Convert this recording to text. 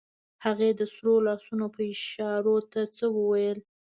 هغې د سرو لاسونو په اشارو څه وويل.